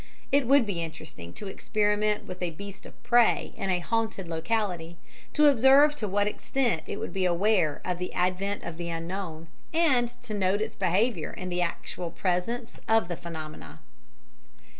It would be interesting to experiment with a beast of prey in a haunted locality; to observe to what extent it would be aware of the advent of the Unknown, and to note its behaviour in the actual presence of the phenomena.